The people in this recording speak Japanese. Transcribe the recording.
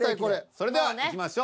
それではいきましょう。